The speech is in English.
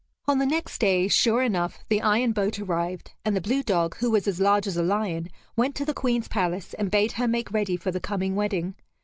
On the next day, sure enough, the iron boat arrived, and the blue dog, who was as large as a lion, went to the Queen's palace, and bade her make ready for the coming wedding.